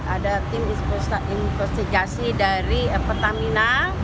ada tim investigasi dari pertamina